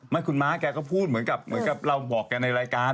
ไม่คุณม้าแกก็พูดเหมือนกับเราบอกในรายการ